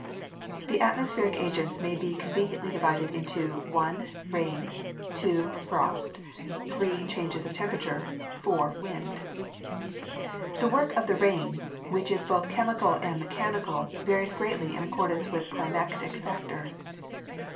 The atmospheric agents may be conveniently divided into (1) rain, (2) frost, (3) changes of temperature, (4) wind. The work of the rain, which is both chemical and me chanical, varies greatly in accordance with climatic factors.